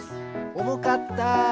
おもかった。